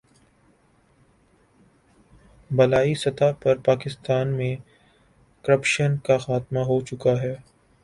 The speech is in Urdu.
بالائی سطح پر پاکستان میں کرپشن کا خاتمہ ہو چکا ہے